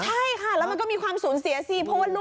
ใช่ค่ะแล้วมันก็มีความสูญเสียสิ